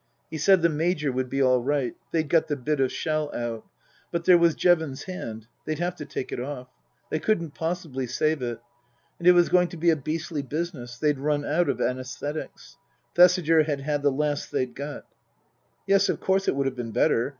He said the Major would be aL right. They'd got the bit of shell out. But there was Jevons's hand. They'd have to take it off. They couldn't possibly save it. And it was going to be a beastly business. They'd run out of anaesthetics. Thesiger had had the last they'd got. Yes, of course it would have been better.